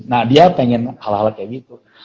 nah dia pengen hal hal kayak gitu